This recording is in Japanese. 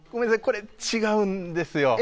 これ違うんですよ。